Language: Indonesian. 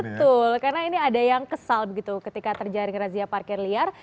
betul karena ini ada yang kesal begitu ketika terjaring razia parkir liar